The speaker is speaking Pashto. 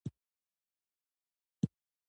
د هالنډ پادشاهي د روزولټ بنسټ څلور ازادۍ مډال ورکړ.